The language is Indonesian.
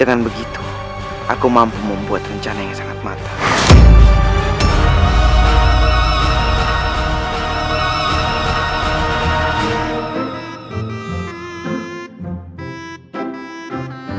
dengan begitu aku mampu membuat rencana yang sangat matang